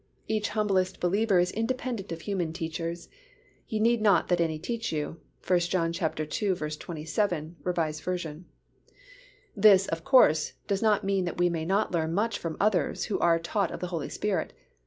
Each humblest believer is independent of human teachers—"Ye need not that any teach you" (1 John ii. 27, R. V.). This, of course, does not mean that we may not learn much from others who are taught of the Holy Spirit.